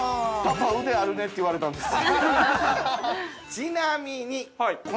パパ腕あるねって言われたんです。